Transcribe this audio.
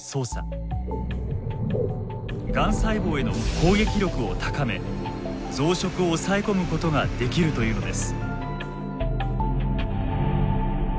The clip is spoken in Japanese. がん細胞への攻撃力を高め増殖を抑え込むことができるというのです。